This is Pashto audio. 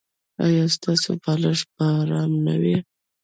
ایا ستاسو بالښت به ارام نه وي؟